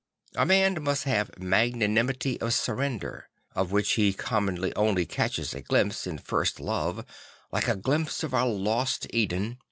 A man must have magnanimity of surrender, of which he commonly only catches a glimpse in first love, like a glimpse of our lost Eden.